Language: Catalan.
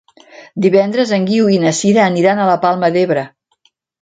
Divendres en Guiu i na Sira aniran a la Palma d'Ebre.